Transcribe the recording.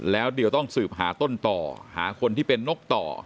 แล้วเดี๋ยวต้องสืบหาต้นต่อหาคนที่เป็นนกต่อ